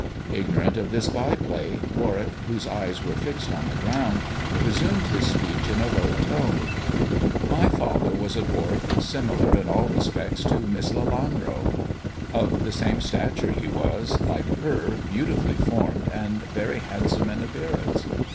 Ignorant of this by play, Warwick, whose eyes were fixed on the ground, resumed his speech in a low tone. THE dwarf's chamber 71 " My father was a dwarf, similar in all respects to Miss Lelanro. Of the same stature, he was, like her, beautifully formed, and very handsome in appearance.